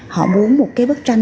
họ muốn một cái bức tranh